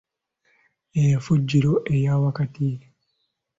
Enfugiro eya wakati